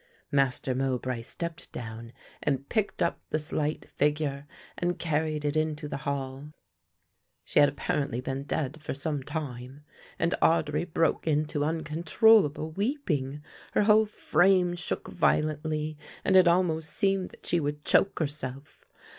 Master Mowbray stepped down and picked up the slight figure and carried it into the hall. She had apparently been dead for some time, and Audry broke into uncontrollable weeping; her whole frame shook violently and it almost seemed that she would choke herself.